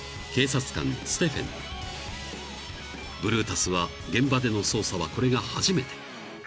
［ブルータスは現場での捜査はこれが初めて］